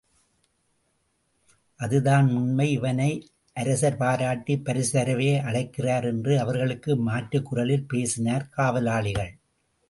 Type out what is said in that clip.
அதுதான் உண்மை இவனை அரசர் பாராட்டிப் பரிசுதரவே அழைக்கிறார் என்று அவர்களுக்கு மாற்றுக் குரலில் பேசினர் காவலாளிகள்.